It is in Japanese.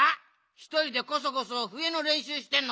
ひとりでこそこそふえのれんしゅうしてんのかよ。